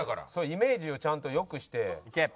イメージをちゃんとよくして。